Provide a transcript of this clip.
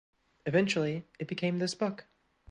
Eventually it became this book.